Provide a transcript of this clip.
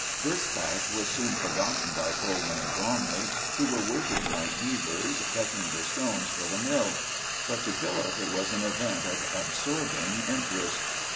This fact was soon forgotten by Coleman and Bromley, who were working like beavers, pecking the stones for the mill; but to Philip it was an event of absorbing interest.